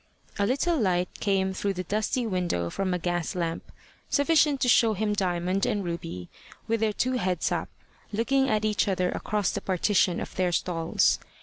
A little light came through the dusty window from a gas lamp, sufficient to show him Diamond and Ruby with their two heads up, looking at each other across the partition of their stalls.